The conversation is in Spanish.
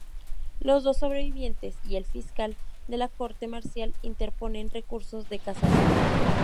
Los dos sobrevivientes y el fiscal de la Corte Marcial interponen recurso de casación.